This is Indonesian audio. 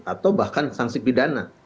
atau bahkan sanksi pidana